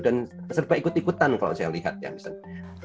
dan serba ikut ikutan kalau saya lihat ya misalnya